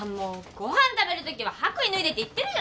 ご飯食べるときは白衣脱いでって言ってるじゃな。